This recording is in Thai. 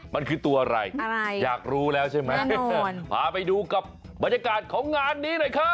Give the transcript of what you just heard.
มันคือตัวอะไรอยากรู้แล้วใช่ไหมพาไปดูกับบรรยากาศของงานนี้หน่อยครับ